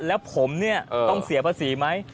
แล้วผมเนี่ยต้องเสียภาษีไหม